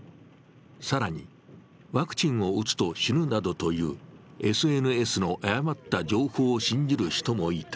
更に、ワクチンを打つと死ぬなどというＳＮＳの誤った情報を信じる人もいた。